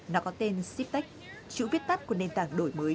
nó có tên sitech chữ viết tắt của nền tảng đổi mới